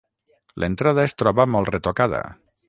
L'entrada es troba molt retocada.